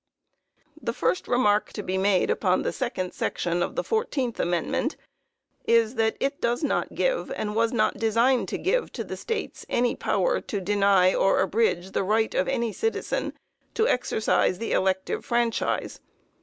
The first remark to be made upon the second section of the fourteenth amendment is, that it does not give and was not designed to give to the States any power to deny or abridge the right of any citizen to exercise the elective franchise.